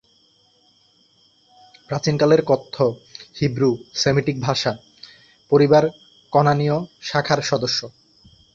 প্রাচীন কালের কথ্য, Hebrew, Semitic ভাষা পরিবার কনানীয় শাখার সদস্য।